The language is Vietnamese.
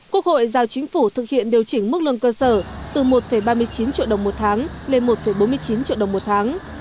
quốc hội giao chính phủ thực hiện điều chỉnh mức lương cơ sở từ một ba mươi chín triệu đồng một tháng lên một bốn mươi chín triệu đồng một tháng